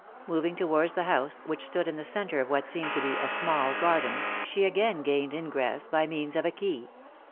Moving towards the house, which stood in the centre of what seemed to be a small garden, she again gained ingress by means of a key.